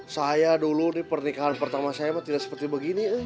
saya dulu di pernikahan pertama saya tidak seperti begini